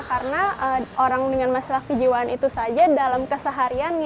karena orang dengan masalah kejiwaan itu saja dalam keseharian